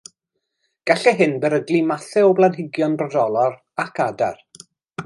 Gallai hyn beryglu mathau o blanhigion brodorol ac adar.